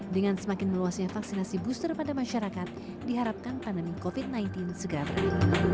dengan semakin meluasnya vaksinasi booster pada masyarakat diharapkan pandemi covid sembilan belas segera berakhir